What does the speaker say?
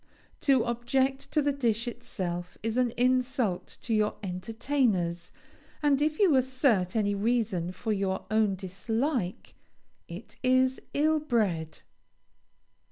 To object to the dish itself is an insult to your entertainers, and if you assert any reason for your own dislike it is ill bred.